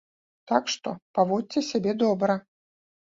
Так што, паводзьце сябе добра.